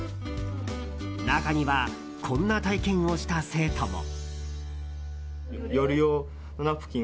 中には、こんな体験をした生徒も。